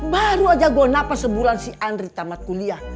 baru aja gue napas sebulan si andri tamat kuliah